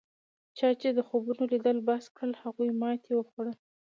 چا چې د خوبونو لیدل بس کړل هغوی ماتې وخوړه.